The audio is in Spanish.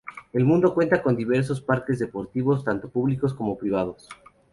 El municipio cuenta con diversos parques deportivos tanto públicos como privados.